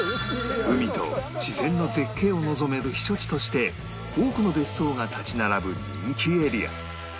海と自然の絶景を望める避暑地として多くの別荘が立ち並ぶ人気エリア